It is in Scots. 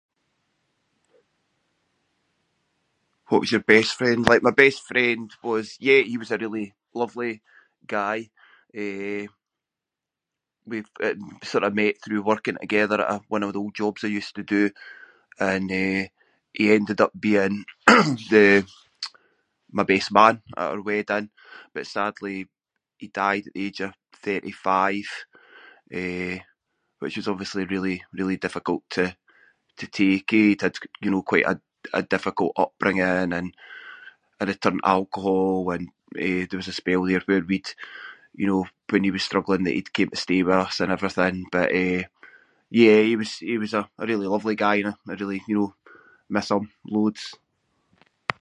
What was your best friend like? My best friend was, yeah, he was a really lovely guy. Eh, we’ve, eh, sort of met through working the-gither at a- one of the old jobs I used to do and, eh, he ended up being the- my best man at our wedding, but sadly he died at the age of thirty-five, eh, which is obviously really- really difficult to- to take, eh? He, you know, had quite a difficult upbringing and a return to alcohol and, eh, there was a spell there where we’d, you know, when he was struggling that he’d came to stay with us and everything but, eh, yeah, he was- he was a- a really lovely guy and I really, you know, miss him loads.